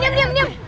diam diam diam